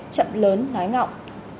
chậm lớn nói ngọng